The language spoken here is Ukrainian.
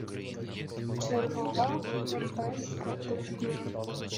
Чергова імперська брехня